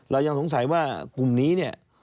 เรายังสงสัยว่ากลุ่มนี้เนี่ย